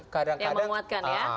yang menguatkan ya